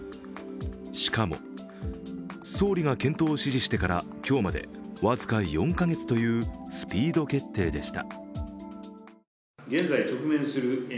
しかも、総理が検討を指示してから今日まで僅か４か月というスピード決定でした。